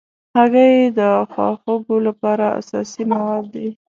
هګۍ د خواږو لپاره اساسي مواد دي.